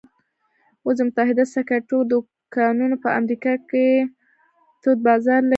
اوس د متحده سګرېټو دوکانونه په امریکا کې تود بازار لري